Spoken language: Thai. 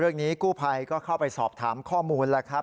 เรื่องนี้กู้ภัยก็เข้าไปสอบถามข้อมูลล่ะครับ